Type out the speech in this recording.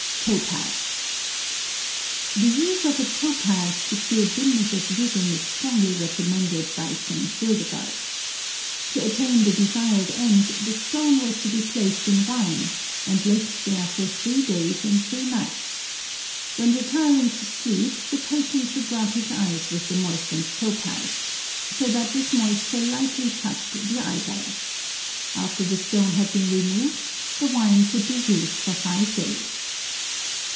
Topaz The use of a topaz to cure dimness of vision is strongly recommended by St. Hildegard. To attain the desired end the stone was to be placed in wine and left there for three days and three nights. When retiring to sleep, the patient should rub his eyes with the moistened topaz, so that this moisture lightly touched the eyeball. After the stone had been removed, the wine could be used for five days.